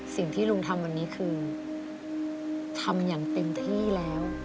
สิ่งที่ลุงทำวันนี้คือทำอย่างเต็มที่แล้ว